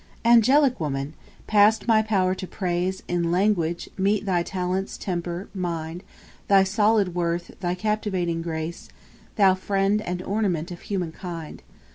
3. Angelic woman! past my power to praise In language meet thy talents, temper, mind, Thy solid worth, thy captivating grace, Thou friend and ornament of human kind.